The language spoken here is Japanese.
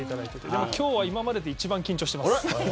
でも今日は今までで一番緊張してます。